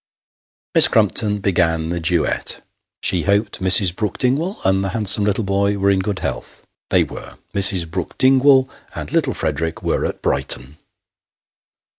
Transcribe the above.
Miss Crumpton began the duet. She hoped Mrs. Brook Dingwall and the handsome little boy were in good health. They were. Mrs. Brook Dingwall and little Frederick were at Brighton.